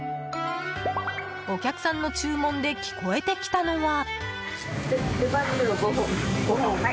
お客さんの注文で聞こえてきたのは。